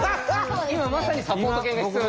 今まさにサポート犬が必要？